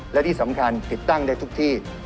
และที่สำคัญติดตั้งได้ทุกที่